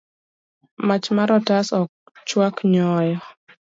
Mach mar otas ok chwak nyoyo.